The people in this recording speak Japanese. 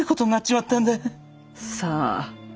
さあ。